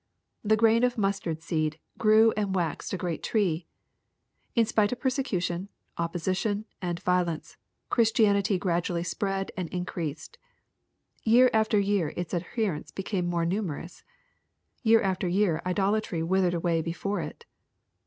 The grain of mustard seed '' grew and waxed a great tree.'' In spite of persecution, opposition, and violence, Christianity gradually spread and increased. Year after year its adherents became more numerous. Tear after year idolatry withered away before it.